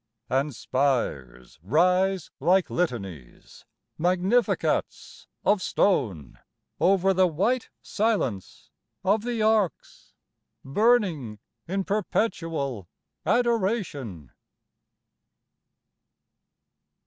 And spires rise like litanies Magnificats of stone Over the white silence of the arcs, Burning in perpetual adoration.